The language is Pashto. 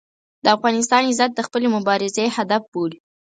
د افغانستان عزت د خپلې مبارزې هدف بولي.